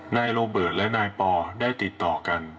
นายโรเบิร์ตและนายปอได้ติดต่อกัน